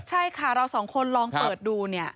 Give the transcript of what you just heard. ใช่ค่ะเราสองคนลองเปิดดูเนี่ย